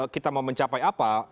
kita mau mencapai apa